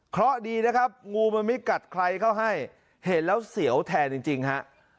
เพราะดีนะครับงูมันไม่กัดใครเข้าให้เห็นแล้วเสียวแทนจริงฮะ